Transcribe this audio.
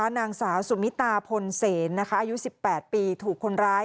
นางสาวสุมิตาพลเสนอายุ๑๘ปีถูกคนร้าย